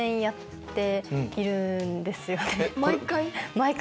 毎回？